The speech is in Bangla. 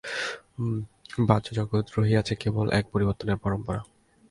বাহ্যজগতে রহিয়াছে কেবল এক পরিবর্তনের পরম্পরা।